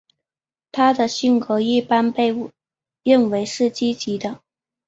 她的性格一般被认为是积极的。